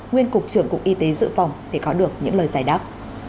nguyên cục trưởng cục y tế dự phòng để có được những lời giải đáp